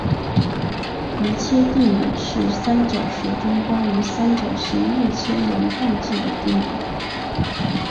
余切定理是三角学中关于三角形内切圆半径的定理。